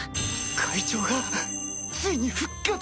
会長がついに復活！